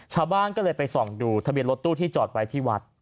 ชาวบ้านก็เลยไปส่องดูทะเบียนรถตู้ที่จอดไว้ที่วัด